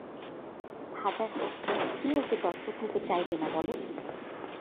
হাজার হোক, কে ওকে দত্তক নিতে চাইবে না বলো?